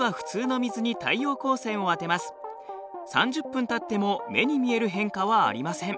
３０分たっても目に見える変化はありません。